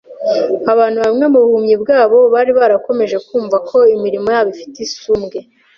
Abantu bamwe mu buhumyi bwabo bari barakomeje kumva ko imirimo yabo ifite isumbwe